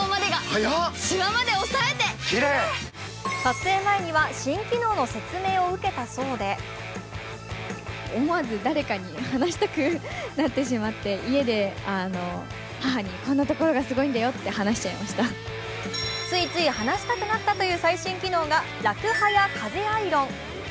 撮影前には新機能の説明を受けたそうでついつい話したくなったという最新機能が、らくはや風アイロン。